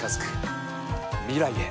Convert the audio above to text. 未来へ。